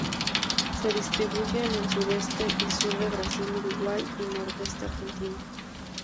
Se distribuye en el sudeste y sur de Brasil, Uruguay y nordeste argentino.